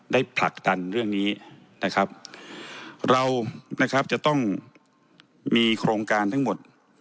ผลักดันเรื่องนี้นะครับเรานะครับจะต้องมีโครงการทั้งหมด